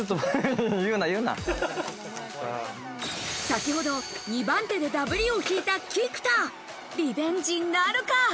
先ほど２番手でダブりを引いた菊田、リベンジなるか？